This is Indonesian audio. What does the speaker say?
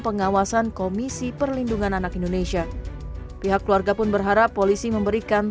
pengawasan komisi perlindungan anak indonesia pihak keluarga pun berharap polisi memberikan